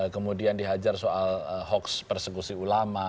kemudian dihajar soal hoax persekusi ulama